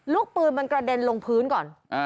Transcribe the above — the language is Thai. ลูกปืนมันกระเด็นลงพื้นก่อน